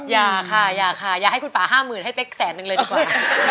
อย่าค่ะอย่าค่ะอย่าให้คุณป่า๕๐๐๐ให้เป๊กแสนนึงเลยดีกว่า